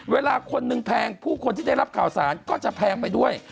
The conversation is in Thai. เวลาคนหนึ่งแพงผู้คนที่ได้รับข่าวสารก็จะแพงไปด้วย